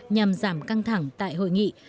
nhằm giảm căng thẳng tại hội nghị